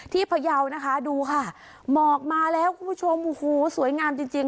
ที่พยาวนะคะดูค่ะเหมาะมาแล้วคุณผู้ชมหูหูสวยงามจริงจริง